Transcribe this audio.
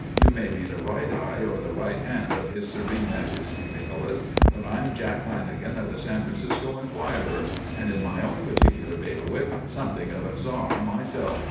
You may be the right eye or the right hand of His Serene Majesty Nicholas, but I'm Jack Lanagan of the San Francisco Enquirer, and in my own particular bailiwick, something of a czar myself.